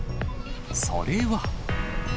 それは。